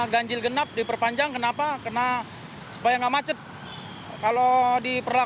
ganjil genap karena pengaruh sekali ya